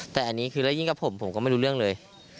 แต่อันนี้คือแล้วยิ่งกับผมผมก็ไม่รู้เรื่องเลย